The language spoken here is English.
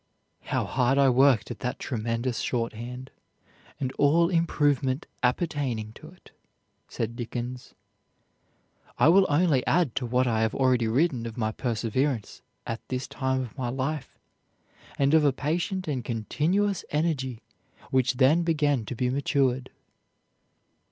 "How hard I worked at that tremendous shorthand, and all improvement appertaining to it," said Dickens. "I will only add to what I have already written of my perseverance at this time of my life, and of a patient and continuous energy which then began to be matured."